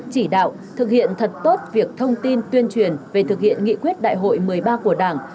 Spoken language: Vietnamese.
chỉ đạo thực hiện thật tốt việc thông tin tuyên truyền về thực hiện nghị quyết đại hội một mươi ba của đảng